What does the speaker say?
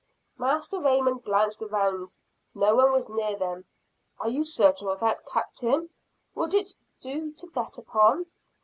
Master Raymond glanced around; no one was near them. "Are you certain of that, Captain? Would it do to bet upon?